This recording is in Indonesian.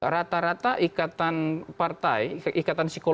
rata rata ikatan partai ikatan psikologis